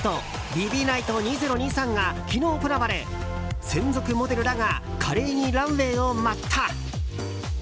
ＶｉＶｉＮｉｇｈｔ２０２３が昨日行われ専属モデルらが華麗にランウェーを舞った。